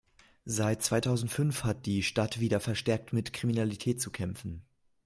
Seit zweitausendfünf hat die Stadt wieder verstärkt mit Kriminalität zu kämpfen.